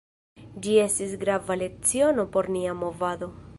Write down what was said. Ĝi estis grava leciono por nia movado.